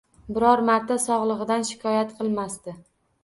Biror marta sog‘lig‘idan shikoyat qilmasdi